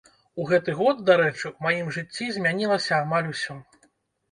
У гэты год, дарэчы, у маім жыцці змянілася амаль усё.